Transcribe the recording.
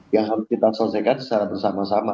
yang harus kita selesaikan secara bersama sama